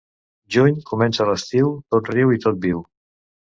Juny comença l'estiu, tot riu i tot viu.